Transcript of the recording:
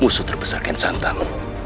musuh terbesar kian santan